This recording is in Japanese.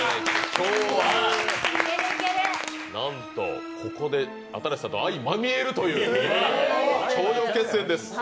今日は、なんとここで新子さんと相まみえるという頂上決戦です。